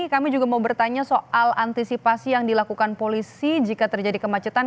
kami juga mau bertanya soal antisipasi yang dilakukan polisi jika terjadi kemacetan